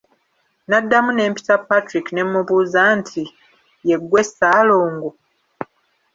Nnaddamu ne mpita Patrick ne mmubuuza nti, "ye ggwe Ssaalongo?"